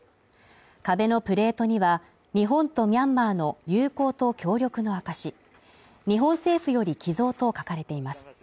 壁のプレートには、日本とミャンマーの友好と協力の証日本政府より寄贈と書かれています。